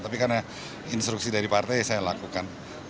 tapi karena instruksi dari partai ya saya lakukan